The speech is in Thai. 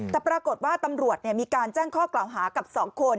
แต่ปรากฏว่าตำรวจมีการแจ้งข้อกล่าวหากับ๒คน